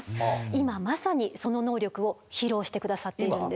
今まさにその能力を披露して下さっているんです。